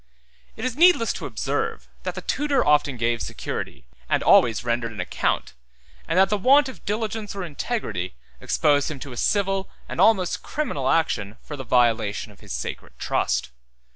It is needless to observe, that the tutor often gave security, and always rendered an account, and that the want of diligence or integrity exposed him to a civil and almost criminal action for the violation of his sacred trust.